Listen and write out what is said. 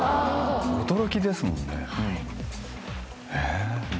驚きですもんね。